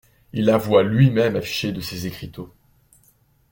Il avoit lui-même affiché de ses écriteaux.